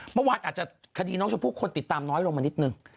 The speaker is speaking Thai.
เมื่อวานอาจจะคดีน้องชมพู่คนติดตามน้อยลงมานิดนึง